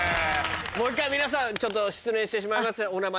もう一回皆さんちょっと失念してしまいましてお名前。